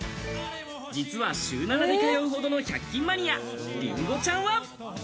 実は週７で通うほどの１００均マニア、りんごちゃんは。